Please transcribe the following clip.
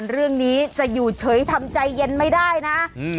เรื่องนี้จะอยู่เฉยทำใจเย็นไม่ได้นะ